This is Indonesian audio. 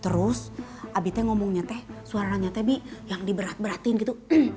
terus abie ngomongnya te suaranya te bi yang diberat beratin gitu